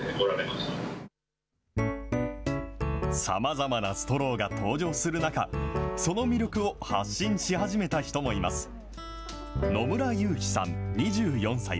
さまざまなストローが登場する中、その魅力を発信し始めた人もいます。